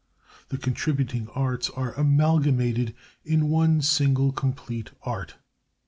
The contributing arts are amalgamated in one single complete art.